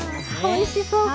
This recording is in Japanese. おいしそう！